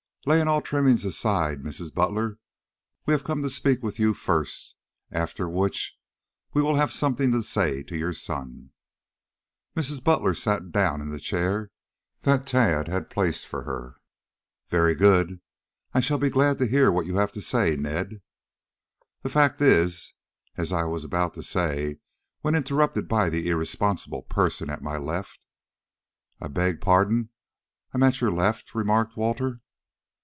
"Laying all trimmings aside, Mrs. Butler, we have come to speak with you first, after which we'll have something to say to your son." Mrs. Butler sat down in the chair that Tad had placed for her. "Very good. I shall be glad to hear what you have to say, Ned." "The fact is as I was about to say when interrupted by the irresponsible person at my left " "I beg pardon. I'm at your left," remarked Walter.